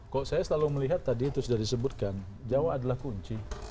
kok saya selalu melihat tadi itu sudah disebutkan jawa adalah kunci